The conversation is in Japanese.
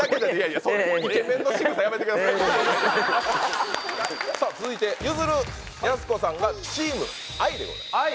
イケメンのしぐさやめてくださいさあ続いてゆずるやす子さんがチームＩでございます